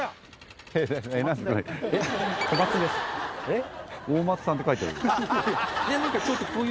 えっ？